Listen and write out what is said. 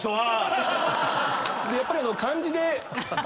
やっぱり漢字で。